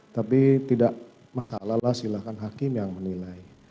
tapi tidak masalah lah silahkan hakim yang menilai